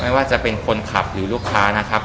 ไม่ว่าจะเป็นคนขับหรือลูกค้านะครับ